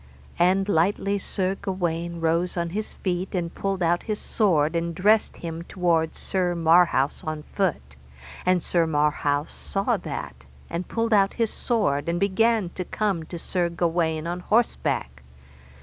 And lightly Sir Gawaine rose on his feet, and pulled out his sword, and dressed him toward Sir Marhaus on foot, and Sir Marhaus saw that, and pulled out his sword and began to come to Sir Gawaine on horseback.